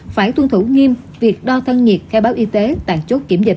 phải tuân thủ nghiêm việc đo thân nhiệt khai báo y tế tại chốt kiểm dịch